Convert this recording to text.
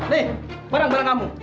nih barang barang kamu